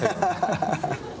ハハハ。